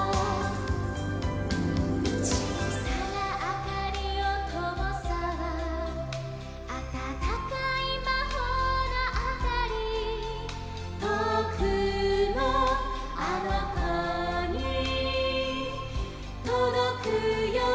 「ちいさなあかりをともそう」「あたたかいまほうのあかり」「とおくのあのこにとどくように」